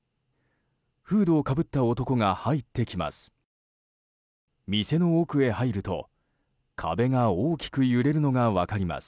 フードをかぶった男が入ってきます。